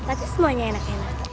pasti semuanya enak enak